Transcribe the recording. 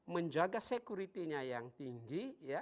menjaga security nya yang tinggi